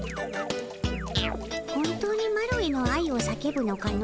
本当にマロへの愛を叫ぶのかの？